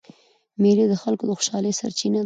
مېلې د خلکو د خوشحالۍ سرچینه ده.